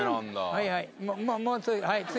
はいはい。